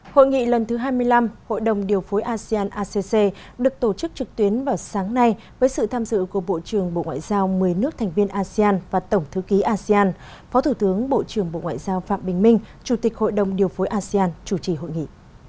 hội nghị lần thứ hai mươi năm hội đồng điều phối asean acc được tổ chức trực tuyến vào sáng nay với sự tham dự của bộ trưởng bộ ngoại giao một mươi nước thành viên asean và tổng thư ký asean phó thủ tướng bộ trưởng bộ ngoại giao phạm bình minh chủ tịch hội đồng điều phối asean chủ trì hội nghị